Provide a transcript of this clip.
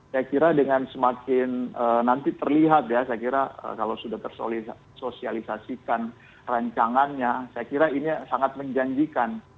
saya kira dengan semakin nanti terlihat ya saya kira kalau sudah tersosialisasikan rancangannya saya kira ini sangat menjanjikan